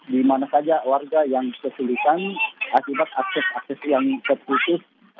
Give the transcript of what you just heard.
di mana saja warga yang kesulitan akibat akses akses yang terputus